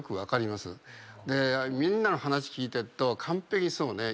みんなの話聞いてると完璧にそうね。